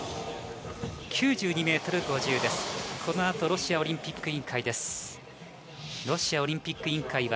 このあとはロシアオリンピック委員会。